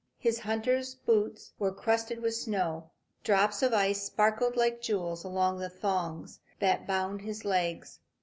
His hunter's boots were crusted with snow. Drops of ice sparkled like jewels along the thongs that bound his legs.